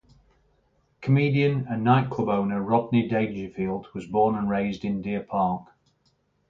Comedian and nightclub owner Rodney Dangerfield was born and raised in Deer Park.